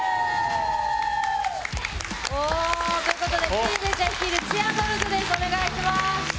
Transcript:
鎮西ちゃん率いるチアドルズです、お願いします。